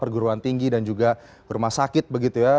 perguruan tinggi dan juga rumah sakit begitu ya